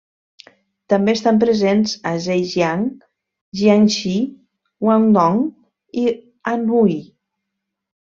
També estan presents a Zhejiang, Jiangxi, Guangdong i Anhui.